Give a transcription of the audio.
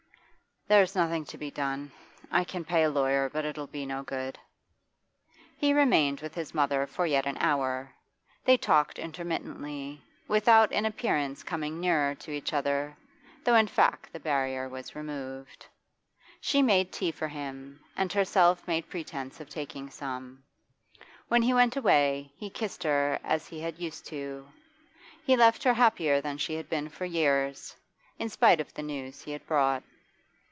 'There's nothing to be done. I can pay a lawyer, but it'll be no good.' He remained with his mother for yet an hour; they talked intermittently, without in appearance coming nearer to each other, though in fact the barrier was removed. She made tea for him, and herself made pretence of taking some. When he went away he kissed her as he had used to. He left her happier than she had been for years, in spite of the news he had brought.